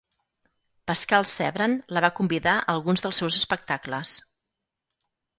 Pascal Sevran la va convidar a alguns dels seus espectacles.